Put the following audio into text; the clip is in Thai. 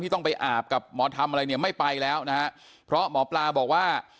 ต้องไปอาบกับหมอทำอะไรเนี่ยไม่ไปแล้วนะฮะเพราะหมอปลาบอกว่า